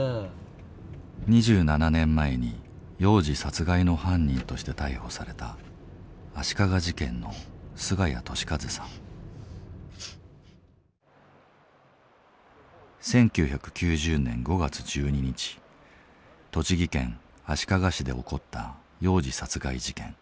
２７年前に幼児殺害の犯人として逮捕された足利事件の１９９０年５月１２日栃木県足利市で起こった幼児殺害事件。